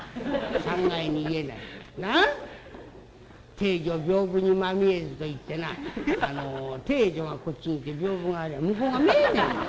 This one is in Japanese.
『貞女びょうぶにまみえず』といってな貞女がこっちにいて屏風がありゃあ向こうが見えねえんだ。